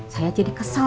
saya jadi kesal